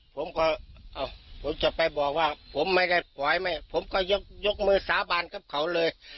ผมก็ผมจะไปบอกว่าผมไม่ได้ปล่อยไม่ผมก็ยกมือสาบานกับเขาเลย